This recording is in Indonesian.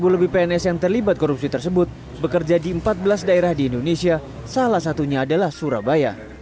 sepuluh lebih pns yang terlibat korupsi tersebut bekerja di empat belas daerah di indonesia salah satunya adalah surabaya